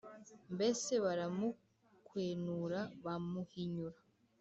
mbese baramukwenura bamuhinyura